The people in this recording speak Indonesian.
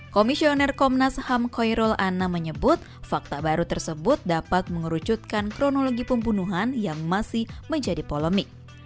komisioner komnas ham khoirul anna menyebut fakta baru tersebut dapat mengerucutkan kronologi pembunuhan yang masih menjadi polemik